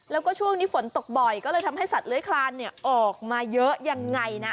แล้วก็ช่วงนี้ฝนตกบ่อยก็เลยทำให้สัตว์เลื้อยคลานออกมาเยอะยังไงนะ